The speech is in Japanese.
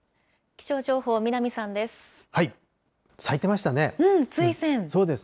気象情報、南さんです。